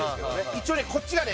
一応ねこっちがね